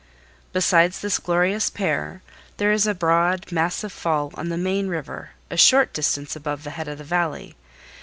Besides this glorious pair there is a broad, massive fall on the main river a short distance above the head of the Valley.